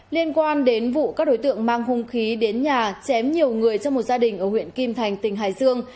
liên quan đến vụ các đối tượng mang hung khí đến nhà chém nhiều người trong một gia đình ở huyện kim thành tỉnh hải dương